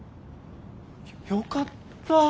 よかった。